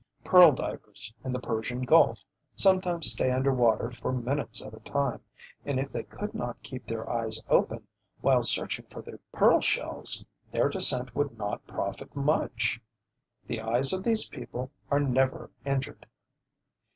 Pearl divers in the Persian Gulf sometimes stay under water for minutes at a time, and if they could not keep their eyes open while searching for the pearl shells, their descent would not profit much. The eyes of these people are never injured.